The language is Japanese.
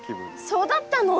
そうだったの？